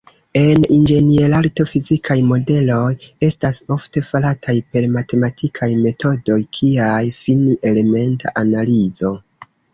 En inĝenierarto, fizikaj modeloj estas ofte farataj per matematikaj metodoj kiaj fini-elementa analizo.